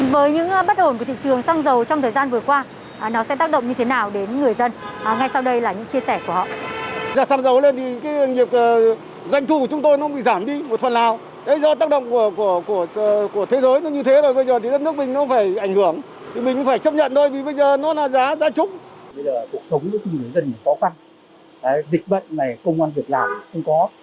với những bất ổn của thị trường xăng dầu trong thời gian vừa qua nó sẽ tác động như thế nào đến người dân ngay sau đây là những chia sẻ của họ